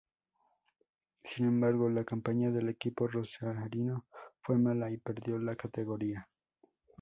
Sin embargo, la campaña del equipo rosarino fue mala y perdió la categoría.